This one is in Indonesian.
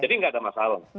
jadi nggak ada masalah